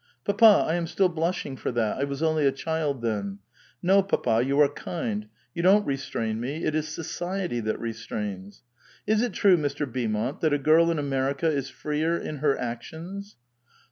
"Papa, I am still blushing for that; I was only a child then. No, papa, you are kind ; you don't restrain me ; it is society that restrains. Is it true, Mr. Beaumont, that a girl in America is freer in her actions